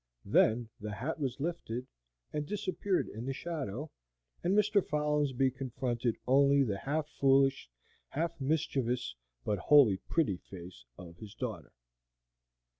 Then the hat was lifted, and disappeared in the shadow, and Mr. Folinsbee confronted only the half foolish, half mischievous, but wholly pretty face of his daughter.